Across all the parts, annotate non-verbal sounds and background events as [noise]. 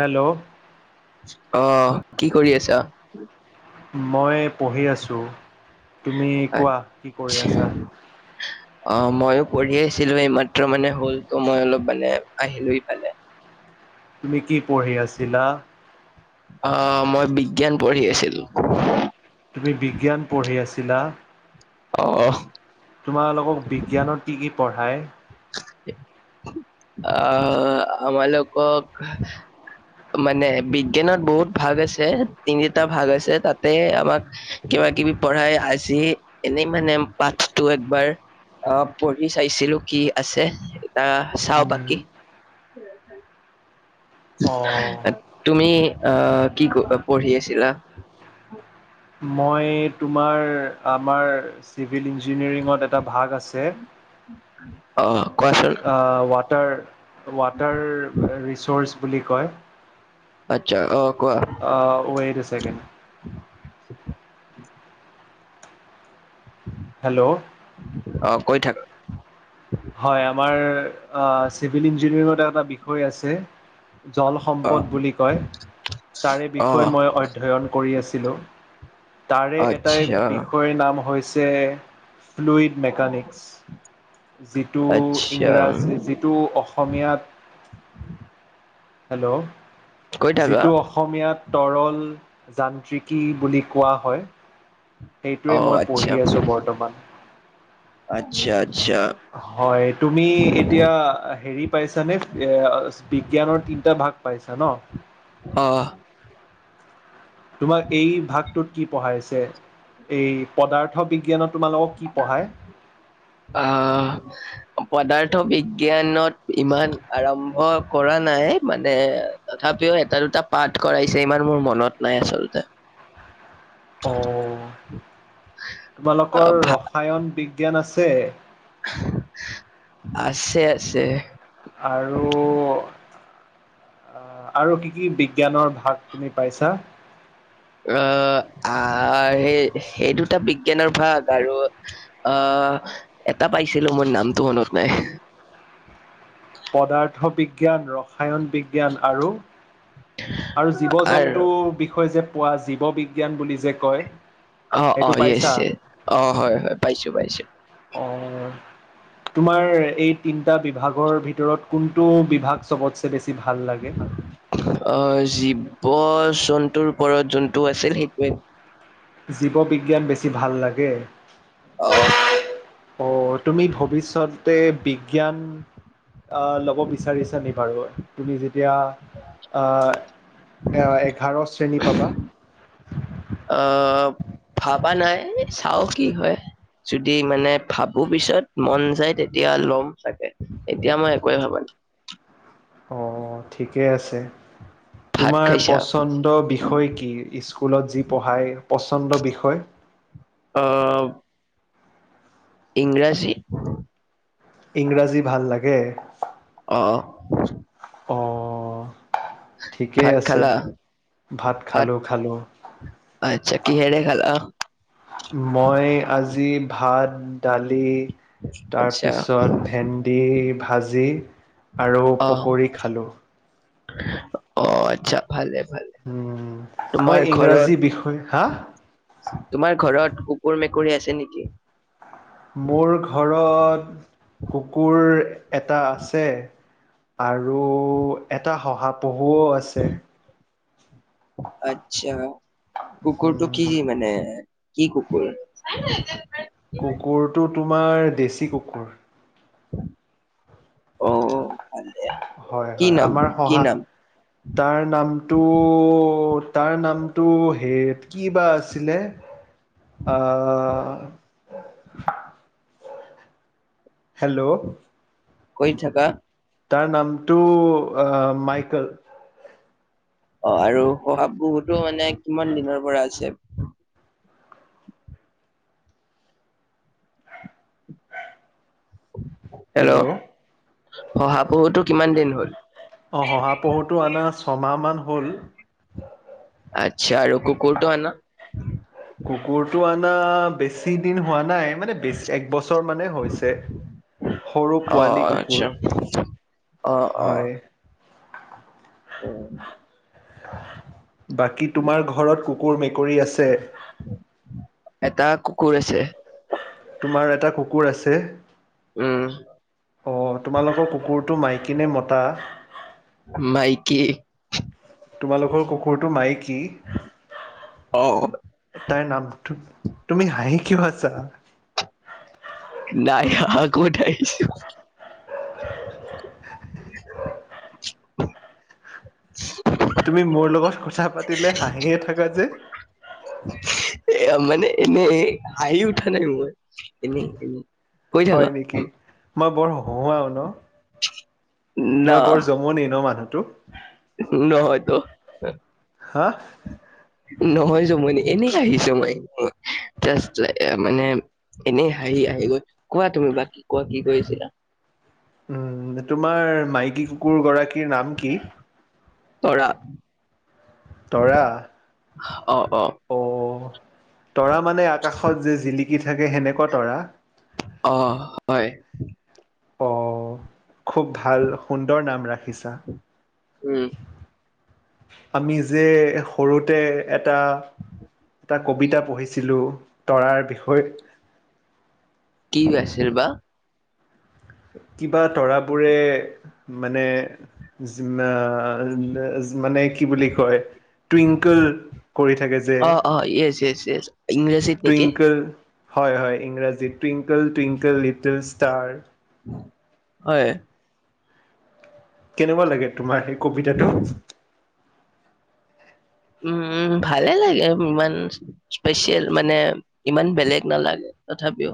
Hello. অহ কি কৰি আছা? মই পঢ়ি আছো, তুমি কোৱা কি কৰি আচ্ছা আছা? [inaudible] অ ময়ো পঢ়ি আছিলো এইমাত্ৰ মানে হ'ল টো মই অলপ মানে আহিলো ইফালে। তুমি কি পঢ়ি আছিলা? অ মই বিজ্ঞান পঢ়ি আছিলো। তুমি বিজ্ঞান পঢ়ি আছিলা? অহ। তোমালোকক বিজ্ঞানত কি কি পঢ়াই? অ আমালোকক মানে বিজ্ঞানত বহুত ভাগ আছে, তিনিটা ভাগ আছে তাতে আমাক কিবা কিবি পঢ়াই, আজি এনেই মানে পাঠটো একবাৰ অঁ পঢ়ি চাইছিলো কি আছে, এয়া চাও উম, বাকী। অঁ তুমি আহ কি পঢ়ি আছিলা? মই তোমাৰ আমাৰ চিভিল ইঞ্জিনিয়াৰিঙত এটা ভাগ আছে [inaudible] কোৱাচোন অহ ৱাটাৰ ৱাটাৰ ৰিচৰ্চ বুলি কয় আচ্ছা অ কোৱা। অ ৱেট এ ছেকেণ্ড। হেল্ল। অ কৈ থাকা। হয় আমাৰ অ চিভিল ইঞ্জিনিয়াৰিঙত এটা বিষয় আছে অ জলসম্পদ বুলি কয়, তাৰে অ বিষয়ে মই অধ্যন কৰি আছিলোঁ। তাৰে এটাই আচ্ছা বিষয়ৰ নাম হৈছে, ফ্লুইড মেকানিক্স। যিটো আচ্ছা ইংৰাজী যিটো অসমীয়াত হেল্ল', কৈ থাকা যিটো অস অসমীয়াত তৰল যান্ত্ৰিকী বুলি কোৱা হয়। অ সেইটোৱে মই আচ্ছা পঢ়ি আছোঁ বৰ্তমান। আচ্ছা আচ্ছা। হয় তুমি এতিয়া হেৰি পাইছানে এ বিজ্ঞানৰ তিনটা ভাগ পাইছা ন? অঁহ। তোমাক এই ভাগটোত কি পঢ়াইছে? এই পদাৰ্থ বিজ্ঞানত তোমালোকক কি পঢ়াই? আহ পদাৰ্থ বিজ্ঞানত ইমান আৰম্ভ কৰা নাই মানে তথাপিও এটা দুটা পাঠ কৰাইছে ইমান মোৰ মনত নাই আচলতে। অ অ তোমালোকৰ ভা ৰসায়ন বিজ্ঞান আছে? আছে আছে। আৰু আ আৰু কি কি বিজ্ঞানৰ ভাগ তুমি পাইছা? অ আ সেই সেই দুটা বিজ্ঞানৰ ভাগ আৰু অহ এটা পাইছিলো মই নামটো মনত নাই। পদাৰ্থ বিজ্ঞান, ৰসায়ন বিগ জ্ঞান আৰু, আৰু আৰু জীৱ-জন্তুৰ বিষয় যে পোৱা জীৱ বিজ্ঞান বুলি যে কয় অ' সেইটো অ' য়ে পাইছা অ' হয়- হয় পাইছো পাইছো। অ' তোমাৰ এই তিনটা বিভাগৰ ভিতৰত কোনটো বিভাগ। চবতচে বেছি ভাল লাগে। অ' জীৱ- জন্তুৰ ওপৰত যোনটো আছিল সেইটোৱে। জীৱ বিজ্ঞান বেছি ভাল লাগে। অ' অ' তুমি ভৱিষ্যতে বি জ্ঞান ল'ব বিচাৰিছ নি বাৰু। তুমি যেতিয়া, এঘাৰ শ্ৰেণী পাবা অ'ভাবা নাই, চাও কি হয়। যদি মানে ভাবো পিছত মন যায় তেতিয়া লম চাগে, এতিয়া মই একোৱে ভাবা নাই অ' ঠিকে আছে, ভাত তোমাৰ খাইছা পচন্দ বিষয় কি? স্কুলত যি পঢ়াই পচন্দ বিষয়। অ' ইংৰাজী। ইংৰাজী ভাল লাগে। অ' অ' অ, ঠিকেই ভাত আছে, খালা ভাত খালো -খালো। আচ্ছা কিহৰে খালা? মই আজি ভাত দালি, আচ্ছা তাৰপিছত ভেন্দি ভাজি, আৰু অ পকৰি খালোঁ অ' আচ্ছা ভালে -ভালে মই তোমাৰ ইংৰাজী বিষয় হা ঘৰত। তোমাৰ ঘৰত কুকুৰ মেকুৰী আছে নেকি? মোৰ ঘৰত কুকুৰ এটা আছে। আৰু এটা শহাপহুও আছে। আচ্ছা, কুকুৰটো কি উম মানে কি কুকুৰ? কুকুৰটো তোমাৰ দেছি কুকুৰ। অ' ভালে হয় কি হয় নাম, আমাৰ কি শহা নাম? তাৰ নামটো তাৰ নামটো হে কিবা আছিলে। [inaudible] অ' হেল্ল' কৰি থাকা। তাৰ নামটো আহ মাইকেল। অ' আৰু শহা পহুটো মানে কিমান দিনৰ পৰা আছে? হেল্ল' শহাপহুটো কিমান দিন হ'ল? অ' শহাপহুটো আনা ছমাহমান হ'ল। আচ্ছা, আৰু কুকুৰটো আনা। কুকুৰটো অনা বেছি দিন হোৱা নাই মানে বেছি একবছৰ মানে হৈছে। সৰু অ পোৱালি কুকুৰ আচ্ছা অ হয়। অ' বাকী তোমাৰ ঘৰত কুকুৰ মেকুৰী আছে? এটা কুকুৰ আছে। তোমাৰ এটা কুকুৰ আছে উম অ' তোমালোকৰ কুকুৰটো মাই মাইকী নে মতা? মাইকী। তোমালোকৰ কুকুৰটো মাইকী অ তাইৰ নামটো তুমি হাঁহি কিয় আছা? নাই হাঁহা ক'ত হাঁহিছো। [inaudible] [inaudible] তুমি মোৰ লগত কথা পাতিলে হাঁহিয়ে থকা যে। মানে এনে হাঁহি উঠা নাই মোৰ এনে এনে হয় নেকি, মই বৰ হহুৱাও ন? [inaudible] না মই বৰ জমনি ন মানুহতো? নহয়তো। হা? নহয় জমনি এনে হাঁহিছো মই জাষ্ট মানে এনেই হাঁহি আহি গ'ল কোৱা তুমি বাকী কোৱা কি কয় আছিলা। উম, তোমাৰ মাইকী কুকুৰ গৰাকীৰ নাম কি? তৰা। তৰা অ অ অ' তৰা মানে আকাশত যে জিলি কি থাকে সেনেকুৱা তৰা? অহ হয়। অ' খুব ভাল সুন্দৰ নাম ৰাখিছা। উম আমি যে সৰুতে এটা এটা কবিতা পঢ়িছিলোঁ তৰাৰ বিষয়ে। কি আছিল বা। কিবা তৰাবোৰে মানে মানে কি বুলি কয় টুইংকল কৰি থাকে যে অ অ য়েছ য়েছ য়েছ ইংৰাজীত নেকি টুইংকল। হয় হয় ইংৰাজীত টুইংকল টুইংকল লিটিল ষ্টাৰ হয়। কেনেকুৱা লাগে তোমাৰ সেই কবিতাটো? উম ভালে লাগে ইমান স্পেচিয়েল মানে ইমান বেলেগ নালাগে তথাপিও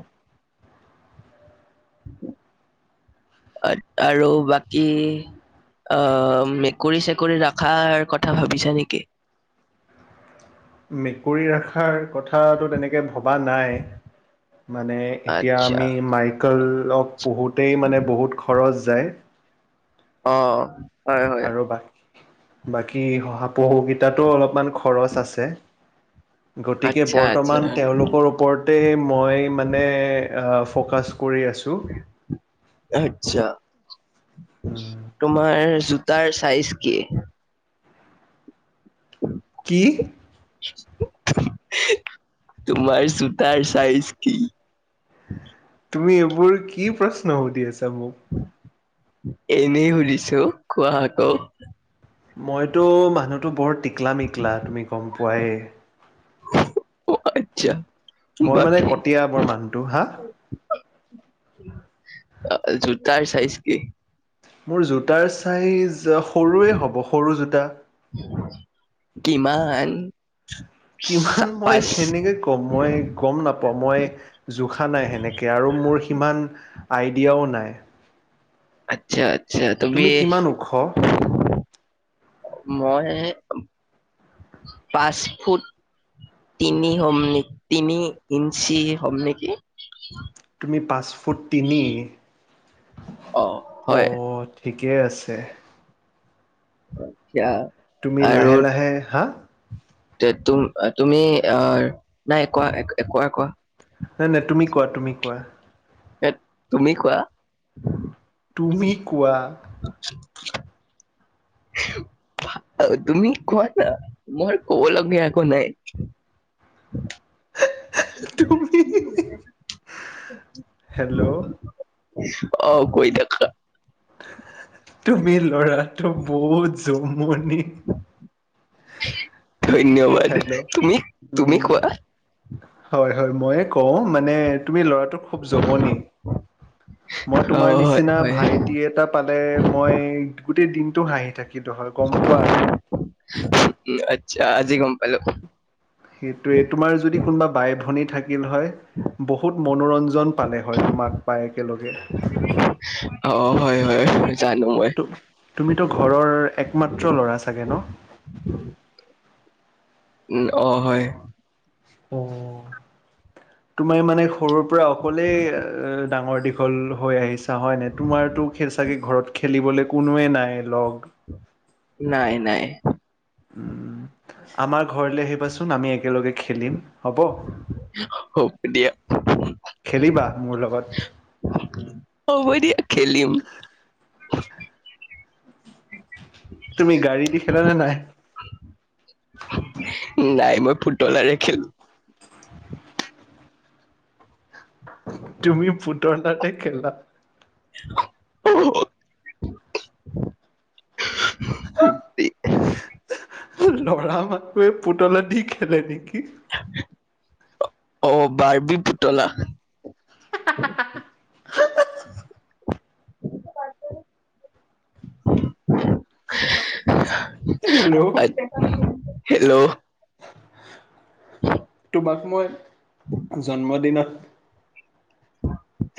আৰু বাকী অ মেকুৰী চেকুৰী ৰখাৰ কথা ভাবিছা নেকি? মেকুৰী ৰখাৰ ক থাটো তেনেকৈ ভবা নাই মানে এতিয়া আচ্ছা আমি মাইকেলক পুহোঁতেই মানে বহুত খৰচ যায়। অ। হয় হয় আৰু বাকী শহাপহু কেইটাতো অলপমান খৰছ আছে। গতিকে আচ্ছা আচ্ছা বৰ্তমান তেওঁলোকৰ ওপৰতেই মই মানে এ ফ'কাছ কৰি আছো। আচ্ছা তোমাৰ জোতাৰ চাইজ কি? কি? তোমাৰ জোতাৰ চাইজ কি? তুমি এইবোৰ কি প্ৰশ্ন সুধি আছা মোক? এনেই সুধিছো কোৱা আকৌ। মইতো মানুহটো বৰ টিকলা-মিকলা তুমি গ'ম পোৱাই। হয়। মই মানে কটীয়া বৰ মানুহটো, হা? জোতাৰ চাইজ কি? মোৰ জোতাৰ ছাইজ সৰুৱে হ'ব সৰু জোতা। কিমান? কিমান চা- মই পাঁচ কেনেকৈ কম। মই গ'ম নাপাওঁ মই জোখা নাই সেনেকে আৰু মোৰ সিমান আইডিয়াও নাই। আচ্ছা আচ্ছা, তুমি কিমান ওখ মই পাঁচ ফুট তিনি হ'ম তিনি ইঞ্চি হ'ম নেকি? তুমি পাঁচ ফুট তিনি অ' হয় অ'। ঠিকেই আছে। আতছা। তুমি লাহে লাহে, হাঁ? তে তুমি অ', নাই কোৱা কোৱা কোৱা। নাই নাই তুমি কোৱা তুমি কোৱা। এ তুমি কোৱা। তুমি কোৱা। [inaudible] তুমি কোৱা না, মই ক'ব লগীয়া একো নাই। [inaudible] হেল্ল'? আহ, কৈ থাকা। তুমি ল'ৰাটো বহুত জমনি। ধন্যবাদ, হেল্ল' তুমি তুমি উম। কোৱা। হয়, হয়, মইয়ে কওঁ মানে তুমি ল'ৰাটো খুব জমনি, মই অ তোমাৰ হয় নিচিনা হয় ভাইটি এ এটা পালে মই গোটেই দিনটো হাঁহি থাকিলো হয়, গ'ম পোৱা? আচ্ছা, আজি গ'ম পালো সেইটোৱে তোমাৰ যদি কোনোবা বাই-ভনী থাকিল হয়। বহুত মনোৰঞ্জন পালে হয়, তোমাক পাই একেলগে। অ', হয়, হয়, জানো মই। তু তুমিতো ঘৰৰ একমাত্ৰ ল'ৰা চাগে ন'? উম, অ', হয়। অ', তোমাৰ মানে সৰুৰ পৰা অকলেই এ ডাঙৰ দীঘল হৈ আহিছা হয় নাই তোমাৰতো খে চাগে ঘৰত খেলিবলৈ কোনোৱে নাই ল'গ? নাই নাই। উম, আমাৰ ঘৰলৈ আহিবাচোন আমি একেলগে খেলিম। হ'ব হ'ব দিয়া। খেলিবা মোৰ লগত হ'ব দিয়া খেলিম। তুমি গাড়ী দি খেলা নে নাই? নাই মই পুতলাৰে খেলো। তুমি পুতলাৰে খেলা। [unintelligible] ল'ৰা মানহে পুতলা দি খেলে নেকি। অ', -বাৰ্বি পুতলা। [inaudible] [unintelligible] Hello hello. তোমাক মই জন্মদিনত-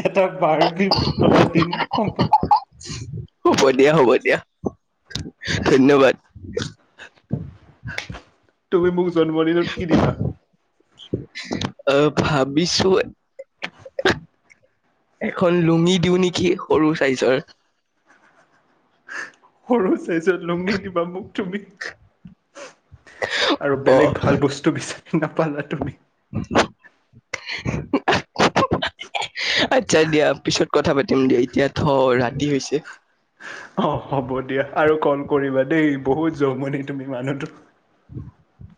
এটা বাৰ্বি পুতলা দিম হ'ব। হ'ব দিয়া, হ'ব দিয়া, ধন্যবাদ। তুমি মোক জন্মৰ দিনত কি দিবা? অ', -ভাবিছোঁ- এখন লুঙি দিওঁ নেকি সৰু চাইজৰ। সৰু চাইজৰ লুঙি দিবা মোক তুমি। আৰু অ বেলেগ ভাল বস্তু বিচাৰি নাপালা তুমি। [unintelligible] আচ্ছা' দিয়া পিছত কথা পাতিম দিয়া, এতিয়া থওঁ ৰাতি হৈছে। অ', -হ'ব দিয়া আৰু ক'ল কৰিবা দেই, বহুত জমনি তুমি মানুহটো। [unintelligible]